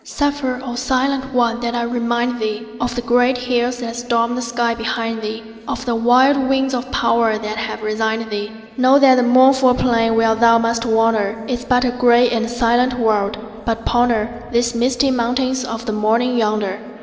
Suffer, O silent one, that I remind thee Of the great hills that stormed the sky behind thee, Of the wild winds of power that have resigned thee. Know that the mournful plain where thou must wander Is but a gray and silent world, but ponder The misty mountains of the morning yonder.